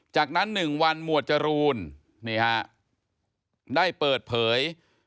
จากนั้น๑วันหมวดจรูนนี่ฮะได้เปิดเผย